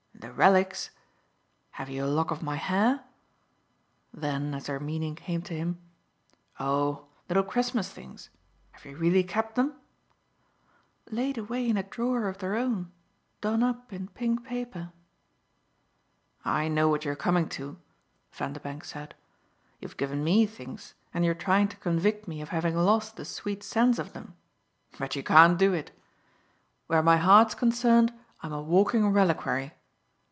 "The 'relics'? Have you a lock of my hair?" Then as her meaning came to him: "Oh little Christmas things? Have you really kept them?" "Laid away in a drawer of their own done up in pink paper." "I know what you're coming to," Vanderbank said. "You've given ME things, and you're trying to convict me of having lost the sweet sense of them. But you can't do it. Where my heart's concerned I'm a walking reliquary.